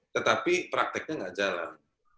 tetapi prakteknya nggak jalan